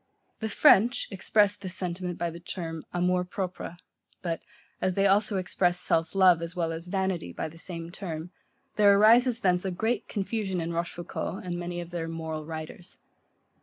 The French express this sentiment by the term, AMOUR PROPRE, but as they also express self love as well as vanity by the same term, there arises thence a great confusion in Rochefoucault, and many of their moral writers.